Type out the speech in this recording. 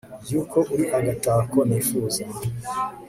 Yuko uri agatako Nifuza